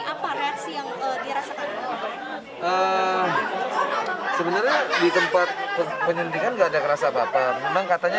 apa reaksi yang dirasakan sebenarnya di tempat penyelidikan nggak ada kerasa apa apa memang katanya